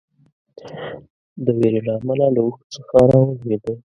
د وېرې له امله له اوښ څخه راولېده.